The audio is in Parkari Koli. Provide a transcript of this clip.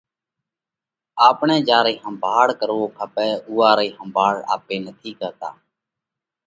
آپڻئہ جيا رئي ۿمڀاۯ ڪروو کپئہ اُوئا رئي آپي ۿمڀاۯ نھ ڪرتا۔